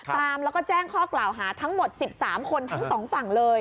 ตามแล้วก็แจ้งข้อกล่าวหาทั้งหมด๑๓คนทั้งสองฝั่งเลย